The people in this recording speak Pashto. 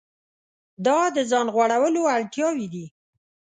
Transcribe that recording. دا د ځان غوړولو اړتیاوې دي.